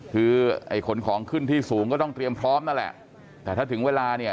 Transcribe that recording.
คือไอ้ขนของขึ้นที่สูงก็ต้องเตรียมพร้อมนั่นแหละแต่ถ้าถึงเวลาเนี่ย